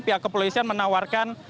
pihak kepolisian menawarkan